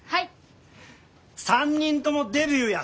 ３人ともデビューや！